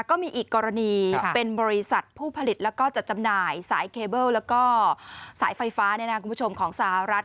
ก็มีอีกกรณีเป็นบริษัทผู้ผลิตแล้วก็จัดจำหน่ายสายเคเบิลแล้วก็สายไฟฟ้าคุณผู้ชมของสหรัฐ